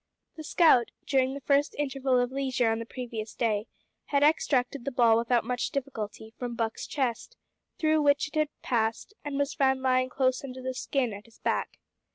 The scout, during the first interval of leisure on the previous day, had extracted the ball without much difficulty from Buck's chest, through which it had passed, and was found lying close under the skin at his back.